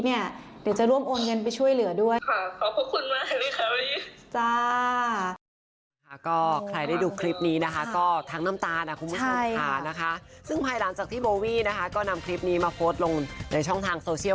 เดี๋ยวจะร่วมโอนเงินไปช่วยเหลือด้วยค่ะ